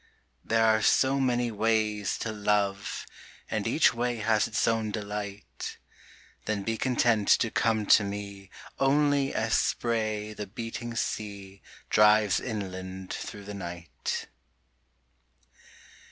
There are so many ways to love And each way has its own delight Then be content to come to me Only as spray the beating sea Drives inland through the night.